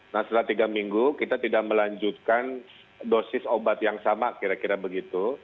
nah setelah tiga minggu kita tidak melanjutkan dosis obat yang sama kira kira begitu